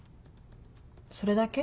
それだけ？